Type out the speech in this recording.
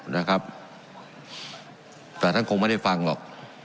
นะครับแต่ท่านคงไม่ได้ฟังหรอก